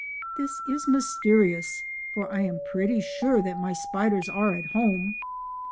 This is mysterious, for I am pretty sure that my spiders are at home.